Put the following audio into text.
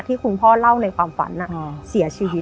ที่คุณพ่อเล่าในความฝันเสียชีวิต